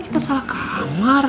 akhirnya ada juga yang cenguk nenek